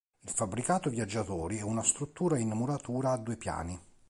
Il fabbricato viaggiatori è una struttura in muratura a due piani.